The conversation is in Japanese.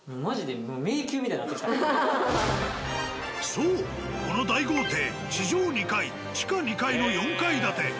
そうこの大豪邸地上２階地下２階の４階建て。